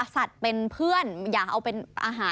สัตว์เป็นเพื่อนอย่าเอาเป็นอาหาร